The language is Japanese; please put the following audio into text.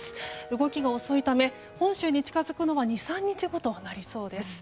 動きが遅いため本州に近づくのは２３日後となりそうです。